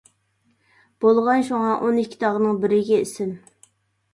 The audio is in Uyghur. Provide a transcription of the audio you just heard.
بولغان شۇڭا ئون ئىككى تاغنىڭ بىرىگە ئىسىم.